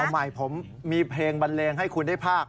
ใหม่ผมมีเพลงบันเลงให้คุณได้ภาค